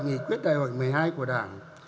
nghị quyết đại hội một mươi hai của đảng